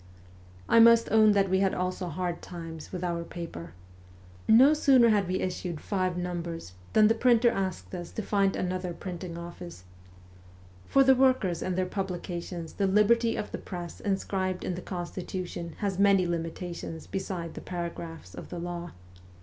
I must own that we had also hard times with our paper. No sooner had we issued five numbers than the printer asked us to find another printing office. For the workers and their publications the liberty of the Press inscribed in the Constitutions has many limitations beside the paragraphs of the law.